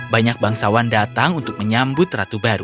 banyak bangsawan datang untuk menyambut ratu baru